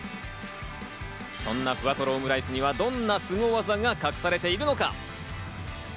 そんな、ふわとろオムライスにはどんなスゴ技が隠されているのか？